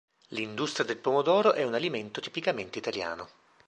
L'industria del pomodoro è un alimento tipicamente italiano.